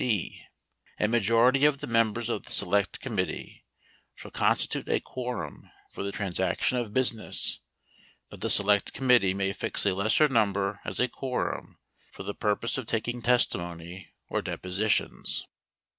8 (d) A majority of the members of the select committee 9 shall constitute a quorum for the transaction of business, but 10 the select committee may fix a lesser number as a quorum 11 for the purpose of taking testimony or depositions.